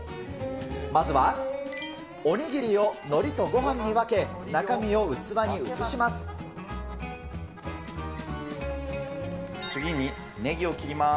まずは、おにぎりをのりとごはんに分け、中身を器に移します。